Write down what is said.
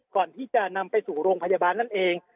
ก่อนที่จะนำไปสู่โรงพยาบาลนั่นเอง